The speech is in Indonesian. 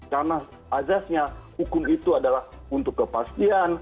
karena azasnya hukum itu adalah untuk kepastian